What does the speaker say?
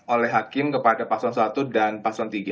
oleh hakim kepada paslon satu dan paslon tiga